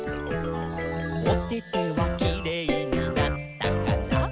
「おててはキレイになったかな？」